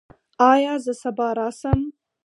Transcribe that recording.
ایا زه سبا راشم؟